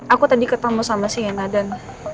aku tadi ketemu sama sienna dan